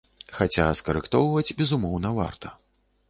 Хаця скарэктоўваць, безумоўна, варта.